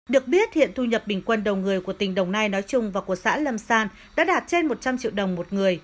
được biết hiện thu nhập bình quân đầu người của tỉnh đồng nai nói chung và của xã lâm san đã đạt trên một trăm linh triệu đồng một người